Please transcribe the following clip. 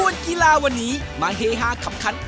สวัสดีค่ะ